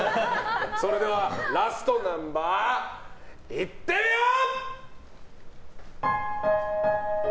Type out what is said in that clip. それではラストナンバーいってみよう！